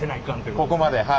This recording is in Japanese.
ここまではい。